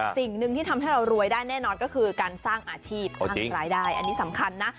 สิ่งหนึ่งที่ทำให้เรารวยได้แน่นอนก็คือการสร้างอาชีพสร้างรายได้อันนี้สำคัญนะ